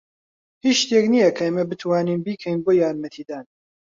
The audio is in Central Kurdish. هیچ شتێک نییە کە ئێمە بتوانین بیکەین بۆ یارمەتیدان.